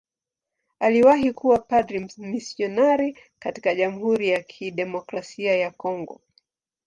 Aliwahi kuwa padri mmisionari katika Jamhuri ya Kidemokrasia ya Kongo.